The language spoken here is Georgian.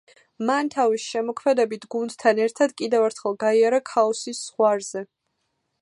მან თავის შემოქმედებით გუნდთან ერთად კიდევ ერთხელ გაიარა ქაოსის ზღვარზე.